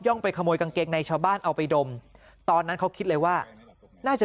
ไปขโมยกางเกงในชาวบ้านเอาไปดมตอนนั้นเขาคิดเลยว่าน่าจะ